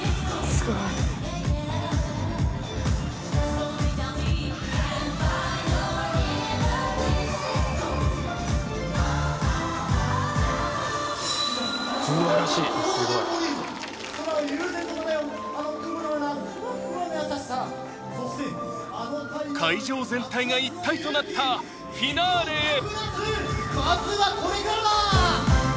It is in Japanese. スゴい会場全体が一体となったフィナーレへまずはこれからだ！